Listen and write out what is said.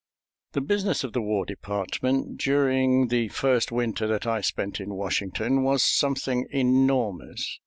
The business of the War Department during the first winter that I spent in Washington was something enormous.